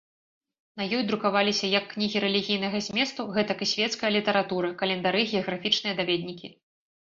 На ёй друкаваліся як кнігі рэлігійнага зместу, гэтак і свецкая літаратура, календары, геаграфічныя даведнікі.